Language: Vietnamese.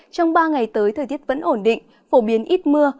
trong ba ngày tới thời tiết vẫn ổn định phổ biến ít mưa